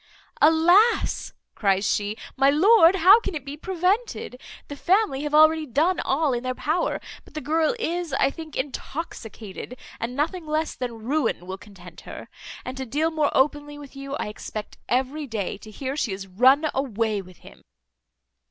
"Alas!" cries she, "my lord, how can it be prevented? The family have already done all in their power; but the girl is, I think, intoxicated, and nothing less than ruin will content her. And to deal more openly with you, I expect every day to hear she is run away with him."